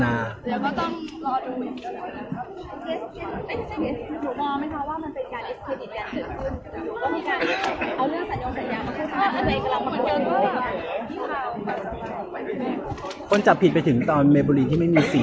แต่หลักจากจังนี้ต้องให้พรันการความถิ่นต่อไป